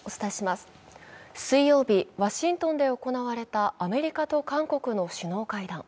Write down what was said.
水曜日、ワシントンで行われたアメリカと韓国の首脳会談。